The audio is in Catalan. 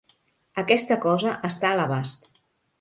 Aquesta cosa està a l'abast.